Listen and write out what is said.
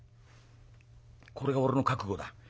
これが俺の覚悟だ。